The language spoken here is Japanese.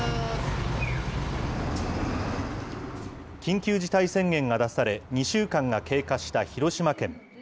緊急事態宣言が出され、２週間が経過した広島県。